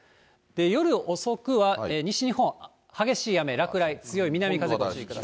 夜遅くは、西日本、激しい雨、落雷、強い南風、ご注意ください。